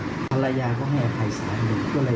คนยุงเวลาไปเป็นพี่อัพกร